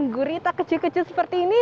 gurita kecil kecil seperti ini